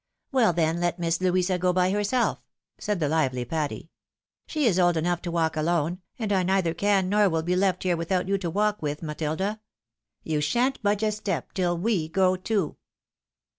" WeV, then, let Miss Louisa go by herself," said the lively Patty. " She is old enough to walk alone, and I neither can nor will be left here without you to walk with, Matilda. You shan't budge a step, tUl we go too."